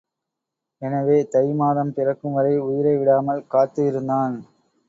எனவே தை மாதம் பிறக்கும்வரை உயிரைவிடாமல் காத்துஇருந்தான்.